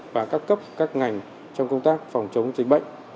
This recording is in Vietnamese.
và các cấp các ngành trong công tác phòng chống dịch bệnh